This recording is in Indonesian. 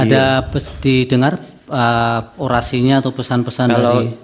ada didengar orasinya atau pesan pesan dari